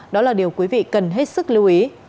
đó là điều quý vị cần hết sức lưu ý